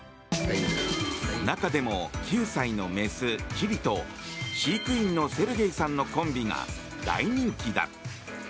中でも９歳のメス、チリと飼育員のセルゲイさんのコンビが大人気だ。